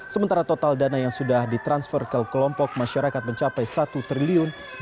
sementara total dana yang sudah ditransfer ke kelompok masyarakat mencapai